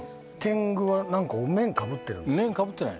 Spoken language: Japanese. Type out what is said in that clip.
天狗は何かお面かぶってるんですか？